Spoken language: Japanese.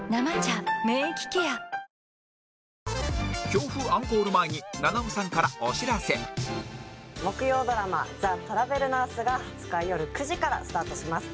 強風アンコール前に木曜ドラマ『ザ・トラベルナース』が２０日よる９時からスタートします。